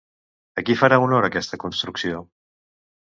A qui farà honor aquesta construcció?